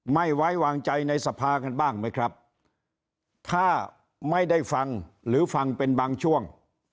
ไม่ไว้วางใจในสภากันบ้างไหมครับถ้าไม่ได้ฟังหรือฟังเป็นบางช่วง